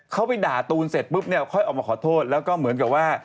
เขาไปด่าตูนเสร็จปุ๊บเนี่ยค่อยออกมาขอโทษแล้วก็เหมือนกับว่า